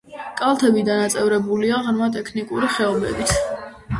კალთები დანაწევრებულია ღრმა ტექტონიკური ხეობებით.